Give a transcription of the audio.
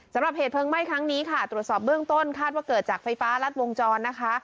สำหรับเหตุเพลิงไหม้ครั้งนี้ค่ะตรวจสอบเบื้องต้นคาดว่าเกิดจากไฟฟ้ารัดวงจรนะคะ